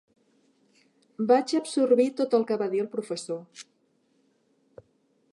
Vaig absorbir tot el que va dir el professor.